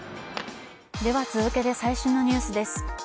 続けて最新のニュースです